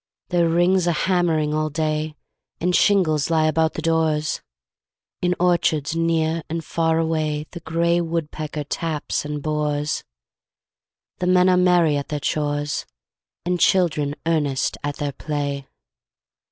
There rings a hammering all day, And shingles lie about the doors; In orchards near and far away The grey wood pecker taps and bores; The men are merry at their chores, And children earnest at their play.